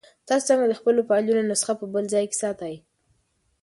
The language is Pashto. تاسو څنګه د خپلو فایلونو نسخه په بل ځای کې ساتئ؟